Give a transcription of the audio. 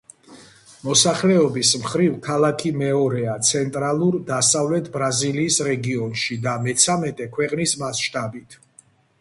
მოსახლეობის მხრივ ქალაქი მეორეა ცენტრალურ-დასავლეთ ბრაზილიის რეგიონში და მეცამეტე ქვეყნის მასშტაბით.